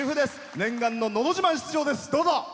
念願の「のど自慢」出場です。